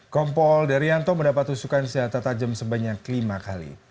kompol derianto mendapat tusukan senjata tajam sebanyak lima kali